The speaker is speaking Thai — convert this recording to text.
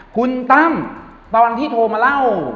คุณตั้มตอนที่โทรมาเล่า